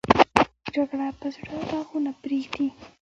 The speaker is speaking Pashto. جګړه په زړه داغونه پرېږدي